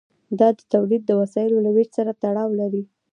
دا د تولید د وسایلو له ویش سره تړاو لري.